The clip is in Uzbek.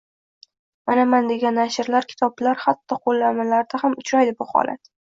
Manaman degan nashrlar, kitoblar, hatto qoʻllanmalarda ham uchraydi bu holat